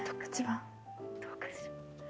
どうかしら。